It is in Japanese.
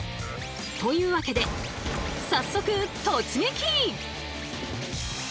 というわけで早速突撃！